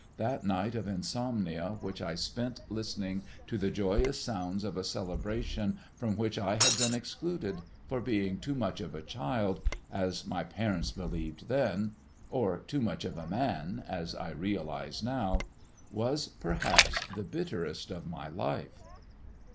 That night of insomnia which I spent listening to the joyous sounds of a celebration from which I had been excluded for being too much of a child, as my parents believed then, or too much of a man, as I realize now, was perhaps the bitterest of my life.